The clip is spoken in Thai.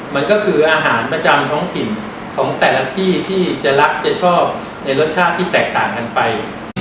มันก็คืออาหารประจำท้องถิ่นของแต่ละที่ที่จะรักจะชอบในรสชาติที่แตกต่างกันไป